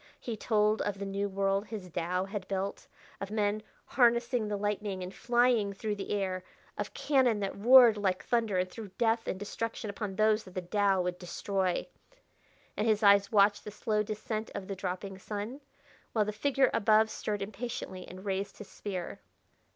He told of the new world his Tao had built, of men harnessing the lightning and flying through the air; of cannon that roared like the thunder and threw death and destruction upon those that the Tao would destroy.... And his eyes watched the slow descent of the dropping sun, while the figure above stirred impatiently and raised his spear.